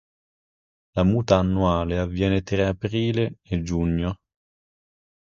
La muta annuale avviene tra aprile e giugno.